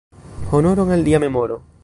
Honoron al lia memoro!